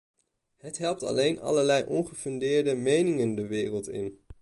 Het helpt alleen allerlei ongefundeerde meningen de wereld in.